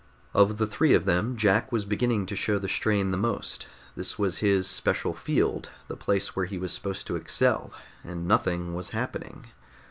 Of the three of them, Jack was beginning to show the strain the most. This was his special field, the place where he was supposed to excel, and nothing was happening.